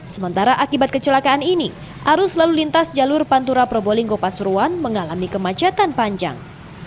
sementara akibat kecelakaan ini arus lalu lintas jalur pantura probolinggo pasuruan mengalami kemacetan panjang